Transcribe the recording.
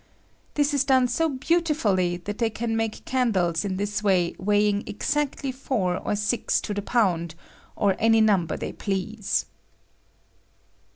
This ia done so beautifully that they can make candles in this way weighing exactly four or six to the pound, or any number they please.